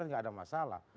pasti tidak ada masalah